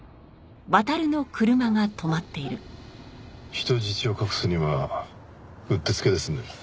人質を隠すにはうってつけですね。